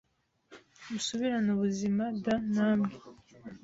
musubirane ubuzima d Namwe